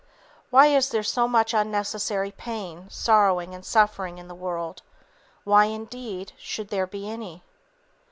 Why is there so much unnecessary pain, sorrowing and suffering in the world why, indeed, should there be any?"